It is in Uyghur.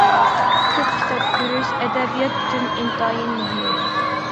كۆپ كىتاب كۆرۈش ئەدەبىيات ئۈچۈن ئىنتايىن مۇھىم.